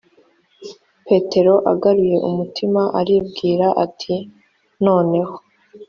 petero agaruye umutima aribwira ati noneho